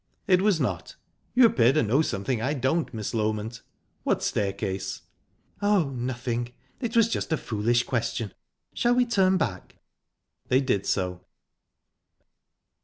"It was not. You appear to know something I don't, Miss Loment. What staircase?" "Oh, nothing. It was just a foolish question...Shall we turn back?" They did so.